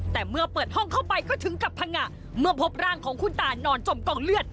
แต่เมื่อเปิดห้องเข้าไปก็ถึงกับพังงะเมื่อพบร่างของคุณตานอนจมกองเลือด